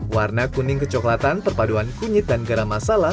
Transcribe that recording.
warna kuning kecoklatan perpaduan kunyit dan garam masala